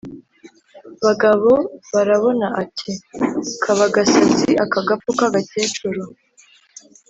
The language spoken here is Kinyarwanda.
Bagabobarabona ati: "Kaba agasazi aka gapfu k’agakecuru!